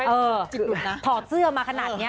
ถอดเสื้อมาขนาดนี้